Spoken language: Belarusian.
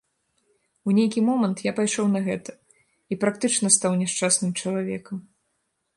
У нейкі момант я пайшоў на гэта, і практычна стаў няшчасным чалавекам.